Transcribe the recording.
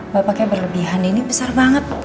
bapaknya berlebihan ini besar banget